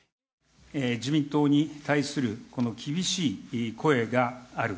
自民党に対するこの厳しい声がある。